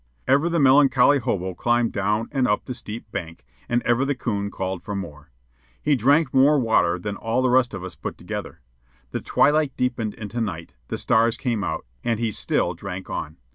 Ever the melancholy hobo climbed down and up the steep bank, and ever the coon called for more. He drank more water than all the rest of us put together. The twilight deepened into night, the stars came out, and he still drank on.